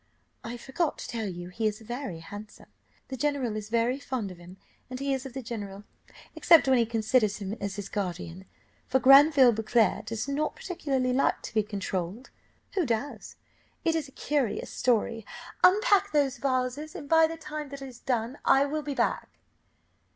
'] I forgot to tell you he is very handsome. The general is very fond of him, and he of the general, except when he considers him as his guardian, for Granville Beauclerc does not particularly like to be controlled who does? It is a curious story. ['Unpack those vases, and by the time that is done I will be back.